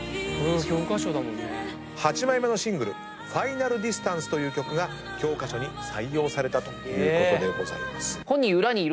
８枚目のシングル『ＦＩＮＡＬＤＩＳＴＡＮＣＥ』という曲が教科書に採用されたということでございます。